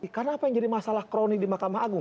karena apa yang jadi masalah kronik di mahkamah agung